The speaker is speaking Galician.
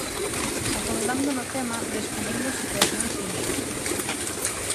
Afondando no tema, descubrimos situacións inxustas.